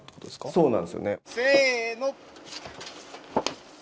そうなんですよね。